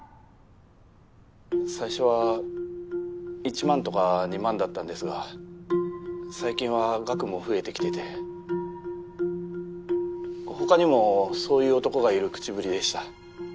最初は１万とか２万だったんですが最近は額も増えてきてて他にもそういう男がいる口ぶりでした。